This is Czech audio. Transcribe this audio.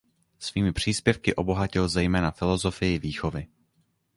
Svými příspěvky obohatil zejména filosofii výchovy.